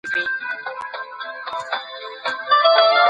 ازاده مطالعه د فکري پرمختګ لپاره ډېره مهمه ده.